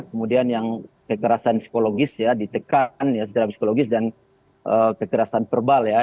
kemudian yang kekerasan psikologis ya ditekan secara psikologis dan kekerasan verbal ya